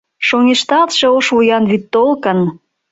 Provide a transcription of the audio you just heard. Шоҥешталтше ош вуян вӱд толкын...